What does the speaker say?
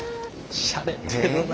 しゃれてるな。